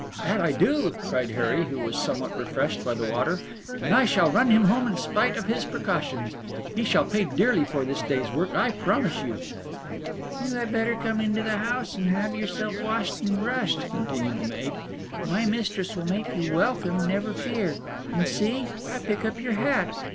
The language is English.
"That I do!" cried Harry, who was somewhat refreshed by the water; "and shall run him home in spite of his precautions. He shall pay dearly for this day's work, I promise you." "You had better come into the house and have yourself washed and brushed," continued the maid. "My mistress will make you welcome, never fear. And see, I will pick up your hat.